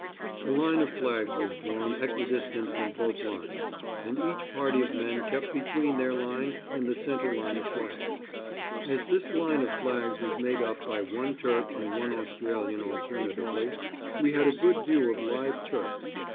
A line of flags was drawn equidistant from both lines, and each party of men kept between their line and the centre line of flags. As this line of flags was made up by one Turk and one Australian alternatively, we had a good view of live Turks.